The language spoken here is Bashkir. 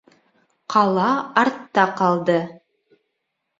Ҡала артта ҡалды.